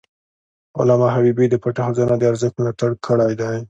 علامه حبيبي د پټه خزانه د ارزښت ملاتړ کړی دی.